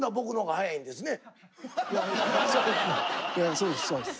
そうですそうです。